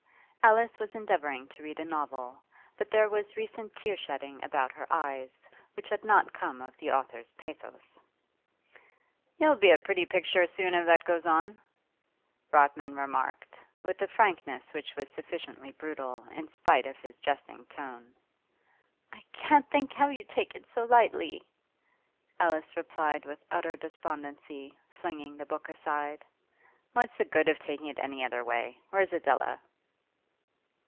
Alice was endeavouring to read a novel, but there was recent tear shedding about her eyes, which had not come of the author's pathos. 'You'll be a pretty picture soon if that goes on,' Rodman remarked, with a frankness which was sufficiently brutal in spite of his jesting tone. 'I can't think how you take it so lightly,' Alice replied with utter despondency, flinging the book aside. 'What's the good of taking it any other way? Where's Adela?